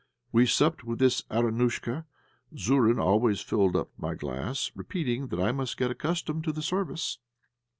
We supped with this Arinúshka. Zourine always filled up my glass, repeating that I must get accustomed to the service.